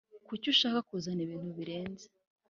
kuki ushaka kuzana ibintu birebire